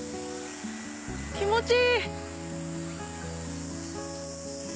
気持ちいい！